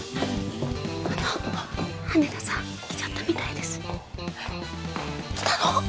あの羽田さん来ちゃったみたいですえっ来たの？